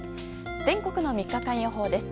全国の３日間予報です。